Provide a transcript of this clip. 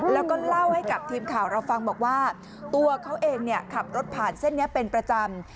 แล้วก็เล่าให้กับทีมข่าวเราฟังบอกว่าตัวเขาเองขับรถผ่านเส้นนี้เป็นประจำ